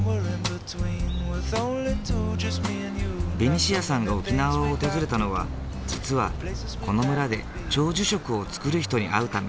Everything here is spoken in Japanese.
ベニシアさんが沖縄を訪れたのは実はこの村で長寿食を作る人に会うため。